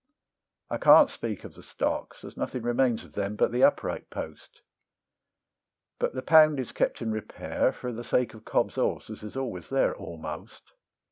I can't speak of the stocks, as nothing remains of them but the upright post; But the pound is kept in repair for the sake of Cob's horse as is always there almost.